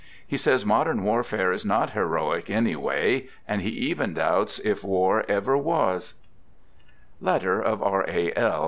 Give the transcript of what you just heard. He says modern warfare is not heroic, anyway, and he even doubts if war ever was : (Letter of " R. A. L.